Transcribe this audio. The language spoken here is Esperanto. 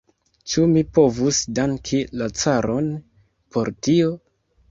Ĉu mi povus danki la caron por tio?